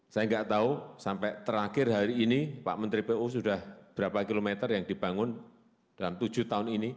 saya nggak tahu sampai terakhir hari ini pak menteri pu sudah berapa kilometer yang dibangun dalam tujuh tahun ini